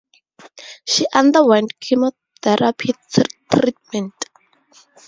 She underwent chemotherapy treatment.